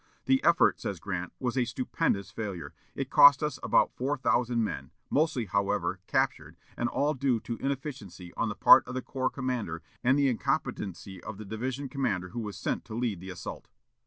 "The effort," says Grant, "was a stupendous failure. It cost us about four thousand men, mostly, however, captured, and all due to inefficiency on the part of the corps commander and the incompetency of the division commander who was sent to lead the assault."